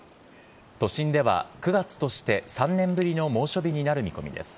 都心では９月として３年ぶりの猛暑日になる見込みです。